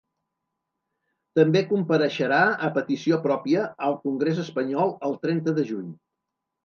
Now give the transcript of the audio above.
També compareixerà a petició pròpia al congrés espanyol el trenta de juny.